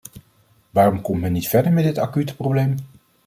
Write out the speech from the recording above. Waarom komt men niet verder met dit acute probleem?